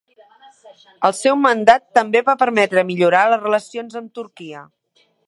El seu mandat també va permetre millorar les relacions amb Turquia.